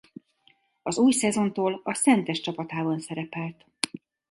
Az új szezontól a Szentes csapatában szerepelt.